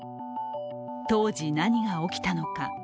当時、何が起きたのか。